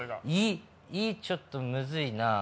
ちょっとむずいな。